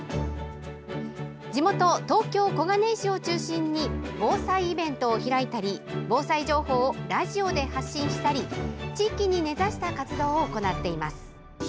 地元、東京・小金井市を中心に防災イベントを開いたり防災情報をラジオで発信したり地域に根ざした活動を行っています。